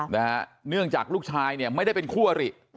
เนื่องจากลูกชายเนี่ยไม่ได้เป็นคู่อริ